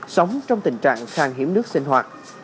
sống trong tình trạng khang hiểm nước sinh hoạt